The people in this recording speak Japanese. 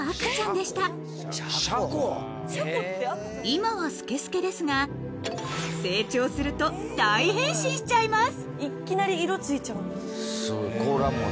［今はスケスケですが成長すると大変身しちゃいます！］